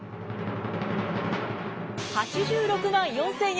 ８６万４，０００円